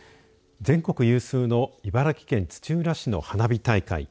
全国有数の茨城県土浦市の花火大会。